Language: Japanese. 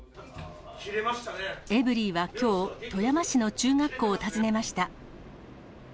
エブリィはきょう、富山市の中学校を訪ねました。